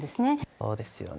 そうですよね。